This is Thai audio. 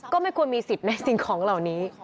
ก็ไม่ควรมีสิทธิ์ในสิ่งของเหล่านี้